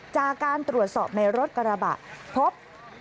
จากการตรวจสอบในรถกระบะพบ